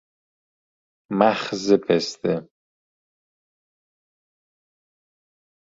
مخز پسته